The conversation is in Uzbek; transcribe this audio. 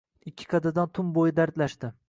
Ikki qadrdon tun bo‘yi dardlashdi